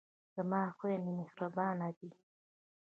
زما خویندې مهربانه دي.